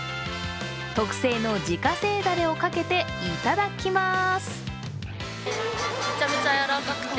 特製の自家製だれをかけていただきまーす。